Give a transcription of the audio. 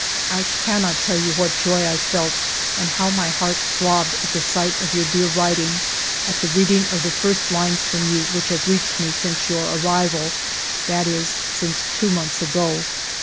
I cannot tell you what joy I felt and how my heart throbbed at the sight of your dear writing, at the reading of the first lines from you which have reached me since your arrival ; that is, since two months ago.